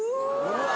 うわ！